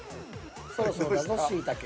そろそろだぞしいたけ。